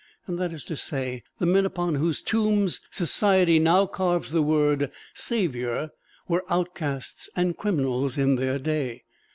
That is to say, the men upon whose tombs society now carves the word Savior were outcasts and criminals in their day.